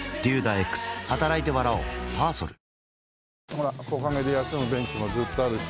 ほら木陰で休むベンチもずっとあるし。